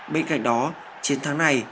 bên cạnh đó chiến thắng này